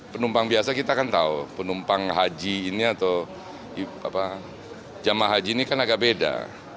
penumpang biasa kita kan tahu penumpang haji ini atau jemaah haji ini kan agak beda